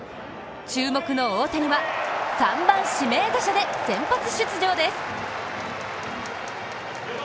注目の大谷は３番・指名打者で先発出場です。